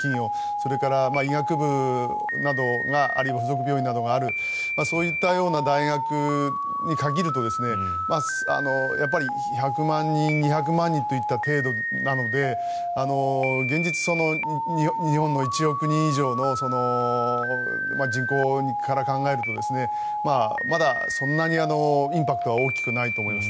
それから、医学部などあるいは附属病院などがあるそういったような大学に限るとやっぱり１００万人２００万人といった程度なので現実、日本の１億人以上の人口から考えるとまだそんなにインパクトは大きくないと思います。